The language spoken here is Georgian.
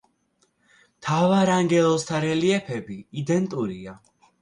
მთავარანგელოზთა რელიეფები იდენტურია.